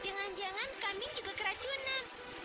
jangan jangan kami juga keracunan